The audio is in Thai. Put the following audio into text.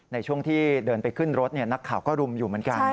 ในช่วงที่เดินไปขึ้นรถนักข่าวก็รุมอยู่เหมือนกัน